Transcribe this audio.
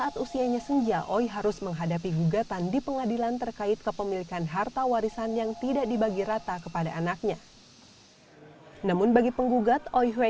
habis sedikit sedikit sedikit sampai terakhir hari ini harus saya bunuh semua karyawan itu